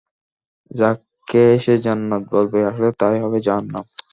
যাকে সে জান্নাত বলবে, আসলে তাই হবে জাহান্নাম।